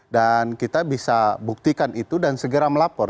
dan kita bisa buktikan itu dan segera melapor